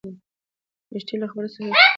لښتې له خپلې کوڅۍ څخه خلی لرې کړ.